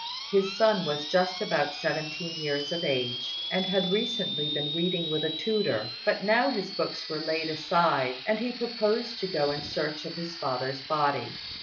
His son was just about seventeen years of age, and had recently been reading with a tutor; but now his books were laid aside, and he proposed to go in search of his father's body.